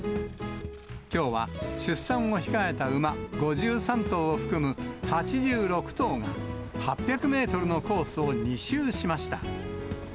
きょうは出産を控えた馬５３頭を含む８６頭が、８００メートルのコースを２周しました。